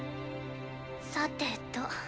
さてと。